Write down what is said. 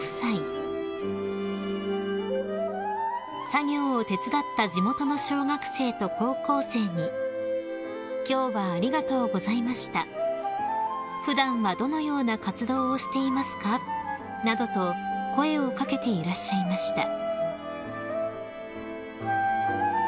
［作業を手伝った地元の小学生と高校生に「今日はありがとうございました」「普段はどのような活動をしていますか？」などと声を掛けていらっしゃいました］